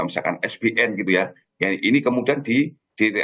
misalkan sbn gitu ya ini kemudian direalokasikan untuk dicairkan atau disalurkan menjadi kredit